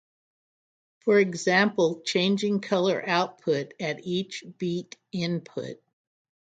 for example changing colour output at each beat input.